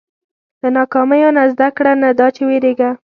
• له ناکامیو نه زده کړه، نه دا چې وېرېږه.